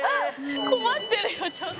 「困ってるよちょっと」